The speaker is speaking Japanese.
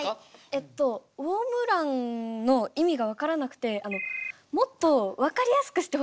えっとウオームランの意味が分からなくてもっと分かりやすくしてほしくて。